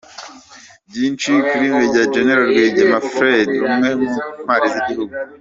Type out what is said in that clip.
Byinshi kuri Major General Rwigema Fred umwe mu Ntwari z’igihugu .